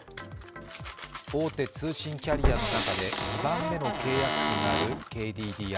大手通信キャリアの中で２番目の契約数があるＫＤＤＩ。